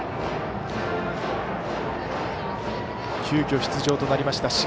急きょ出場となりました